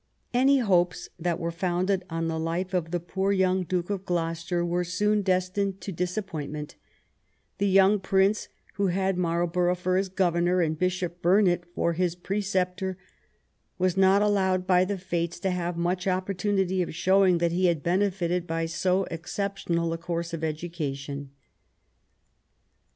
Any hopes that were founded on the life of the poor young Duke of Gloucester were soon destined to be disappointed; the young prince, who had Marlbor ough for his governor and Bishop Burnet for his pre ceptor, was not allowed by the fates to have much opportunity of showing that he had benefited by so exceptional a course of education.